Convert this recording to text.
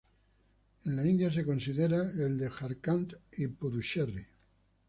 En la India se lo considera el de Jharkhand y Puducherry.